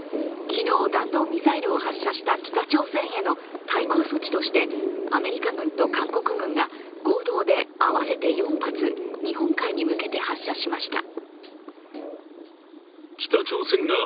昨日、弾道ミサイルを発射した北朝鮮への対抗措置としてアメリカ軍と韓国軍が合同で合わせて４発、日本海に向けて発射しました。